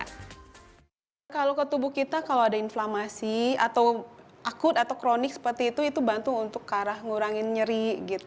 kalau ke tubuh kita kalau ada inflamasi atau akut atau kronik seperti itu itu bantu untuk ke arah ngurangin nyeri